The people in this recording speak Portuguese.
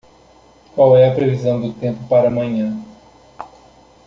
Qual é a previsão do tempo para amanhã?